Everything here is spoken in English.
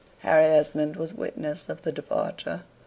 Harry Esmond was witness of the departure.